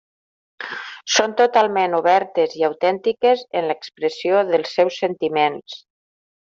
Són totalment obertes i autentiques en l'expressió dels seus sentiments.